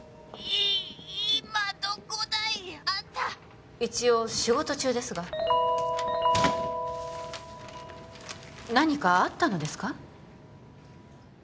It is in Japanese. ☎いっ今どこだい？あんた一応仕事中ですが何かあったのですか？